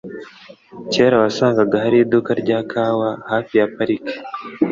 Kera wasangaga hari iduka rya kawa hafi ya parike.